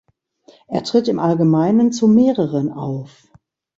Er tritt im Allgemeinen zu mehreren auf.